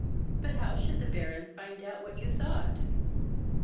"But how should the Baron find out what you thought?"